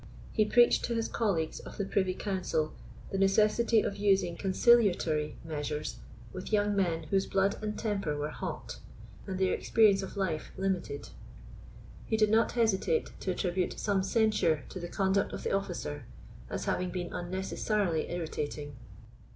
He preached to his colleagues of the privy council the necessity of using conciliatory measures with young men, whose blood and temper were hot, and their experience of life limited. He did not hesitate to attribute some censure to the conduct of the officer, as having been unnecessarily irritating.